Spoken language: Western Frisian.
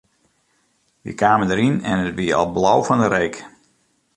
Wy kamen deryn en it wie al blau fan 'e reek.